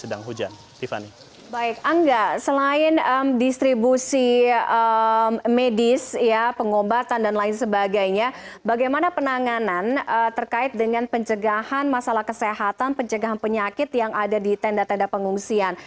baik angga selain distribusi medis pengobatan dan lain sebagainya bagaimana penanganan terkait dengan pencegahan masalah kesehatan pencegahan penyakit yang ada di tenda tenda pengungsian